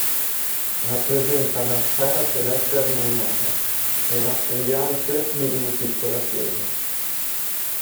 Rappresenta la "Sfera celeste armoniosa" e ha le sembianze di una piccola chiesa.